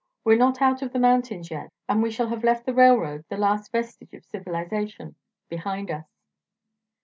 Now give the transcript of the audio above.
We're not out of the mountains yet, and we shall have left the railroad, the last vestige of civilization, behind us."